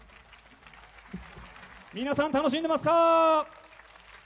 皆さん楽しんでますか？